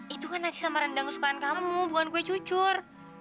itu kan nasi sama rendang kesukaan kamu bukan kue cucur